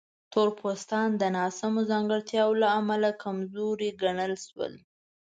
تور پوستان د ناسمو ځانګړتیاوو له امله کمزوري ګڼل شول.